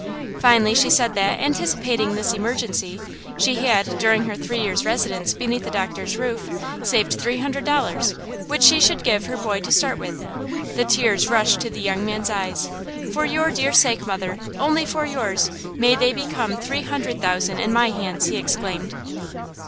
Finally she said that, anticipating this emergency, she had, during her three years' residence beneath the doctor's roof, saved three hundred dollars, which she should give her boy to start with. The tears rushed to the young man's eyes. "For your dear sake, mother, only for yours, may they become three hundred thousand in my hands!" he exclaimed.